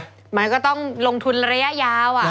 มันก็ต้องลงทุนระยะยาว